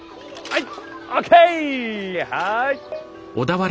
はい。